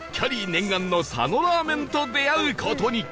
念願の佐野ラーメンと出会う事に